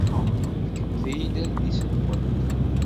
Fkemt-iyi-d adlis-nwent.